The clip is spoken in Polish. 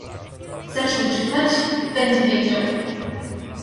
"Zacznie czytać: będzie wiedział."